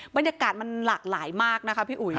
บรรยากาศมันหลากหลายมากนะคะพี่อุ๋ย